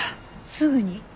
すぐに？